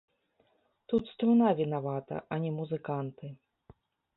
Тут струна вінавата, а не музыканты.